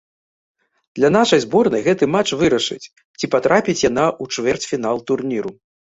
Для нашай зборнай гэты матч вырашыць, ці патрапіць яна ў чвэрцьфінал турніру.